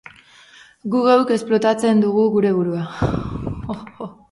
Guk geuk esplotatzen dugu geure burua.